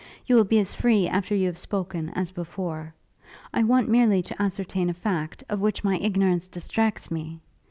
You will be as free after you have spoken as before. I want merely to ascertain a fact, of which my ignorance distracts me!